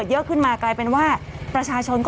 กรมป้องกันแล้วก็บรรเทาสาธารณภัยนะคะ